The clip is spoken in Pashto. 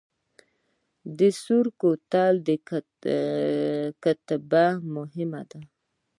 د سور کوتل کتیبه ډیره مهمه ده